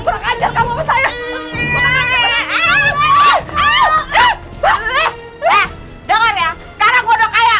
kurang ajar kamu biasa maling kamu